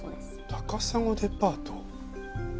高砂デパート。